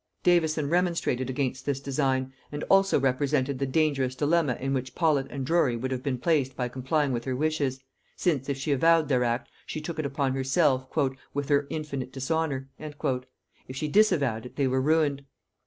Davison remonstrated against this design; and also represented the dangerous dilemma in which Paulet and Drury would have been placed by complying with her wishes; since, if she avowed their act, she took it upon herself, "with her infinite dishonor;" if she disavowed it, they were ruined.